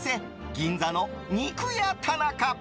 銀座の肉屋田中。